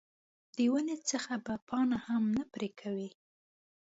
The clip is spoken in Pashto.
د ونې څخه به پاڼه هم نه پرې کوې.